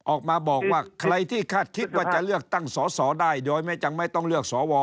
ออกมาบอกว่าใครที่คาดคิดว่าจะเลือกตั้งสอสอได้โดยไม่จำไม่ต้องเลือกสว